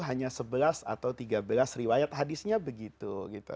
hanya sebelas atau tiga belas riwayat hadisnya begitu